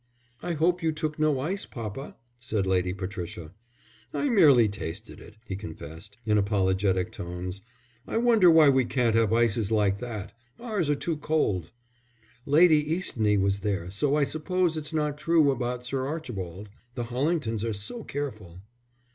"I hope you took no ice, papa," said Lady Patricia. "I merely tasted it," he confessed, in apologetic tones. "I wonder why we can't have ices like that. Ours are too cold." "Lady Eastney was there, so I suppose it's not true about Sir Archibald. The Hollingtons are so careful."